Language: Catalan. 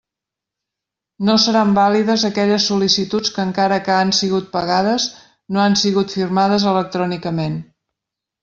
No seran vàlides aquelles sol·licituds que encara que han sigut pagades no han sigut firmades electrònicament.